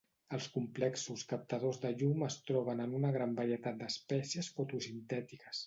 Els complexos captadors de llum es troben en una gran varietat d'espècies fotosintètiques.